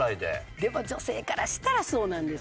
でも女性からしたらそうなんですよ。